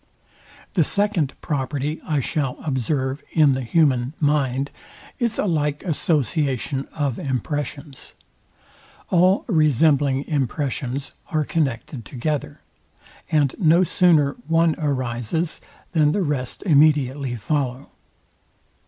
The second property I shall observe in the human mind is a like association of impressions. All resembling impressions are connected together, and no sooner one arises than the rest immediately follow.